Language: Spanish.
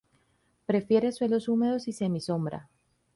Prefiere suelos húmedos y semisombra.